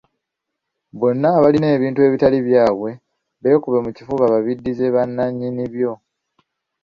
Bonna abalina ebintu ebitali byabwe beekube mu kifuba babiddize bannannyini byo.